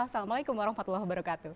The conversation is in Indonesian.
wassalamualaikum warahmatullahi wabarakatuh